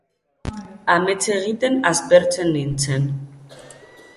Amets egiten aspertzen nintzen.